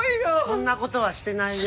そんなことはしてないよ。